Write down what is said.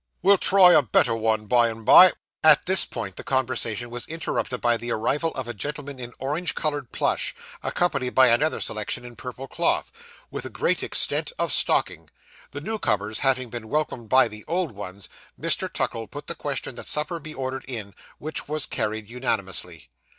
We'll try a better one by and bye.' At this point the conversation was interrupted by the arrival of a gentleman in orange coloured plush, accompanied by another selection in purple cloth, with a great extent of stocking. The new comers having been welcomed by the old ones, Mr. Tuckle put the question that supper be ordered in, which was carried unanimously.